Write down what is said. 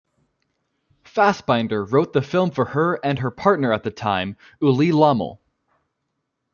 Fassbinder wrote the film for her and her partner at the time, Ulli Lommel.